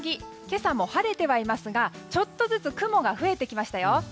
今朝も晴れてはいますがちょっとずつ雲が増えてきましたよ。